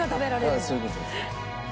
はいそういう事です。